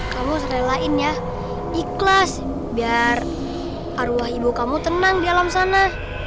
kamu serelain ya ikhlas biar arwah ibu kamu tenang di alam sana